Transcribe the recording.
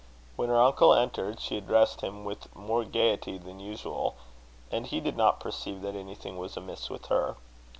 When her uncle entered, she addressed him with more gaiety than usual, and he did not perceive that anything was amiss with her.